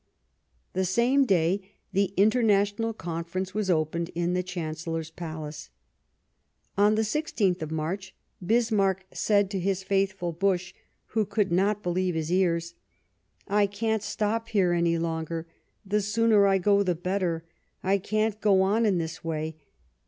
The same day the International Conference was opened in the Chancellor's palace. On the i6th of March Bismarck said to his faith ful Busch, who could not believe his ears :" I can't stop here any longer ; the sooner I go the better. I can't go on in this way.